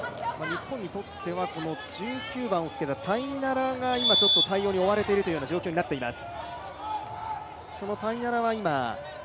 日本にとっては、この１９番をつけたタイナラが今、ちょっと対応に追われているという状況になっています。